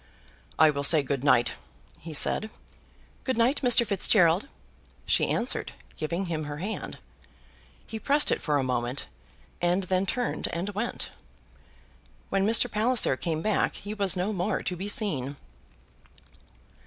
"I will say good night," he said. "Good night, Mr. Fitzgerald," she answered, giving him her hand. He pressed it for a moment, and then turned and went. When Mr. Palliser came back he was no more to be seen.